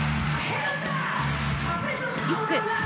リスク。